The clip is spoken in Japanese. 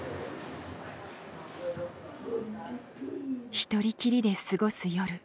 一人きりで過ごす夜。